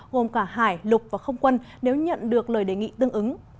gồm cả hải lục và không quân nếu nhận được lời đề nghị tương ứng